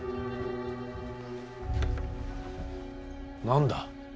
何だ。